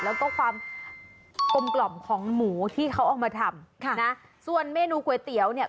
แล้วก็ความกลมของหมูที่เขาออกมาทำส่วนเมนูกล้วยเตี๋ยวเนี่ย